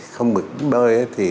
không bị đôi